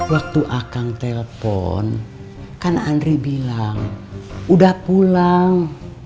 waktu akang telpon kan andri bilang udah pulang